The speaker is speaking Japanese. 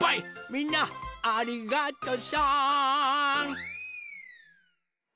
みんなありがとさん！